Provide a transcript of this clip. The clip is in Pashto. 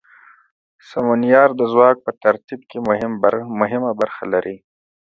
سمونیار د ځواک په ترتیب کې مهمه برخه لري.